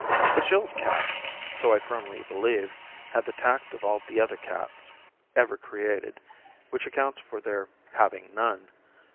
But Jill's cat, so I firmly believe, had the tact 176 of all the other cats ever created, which accounts for their having none.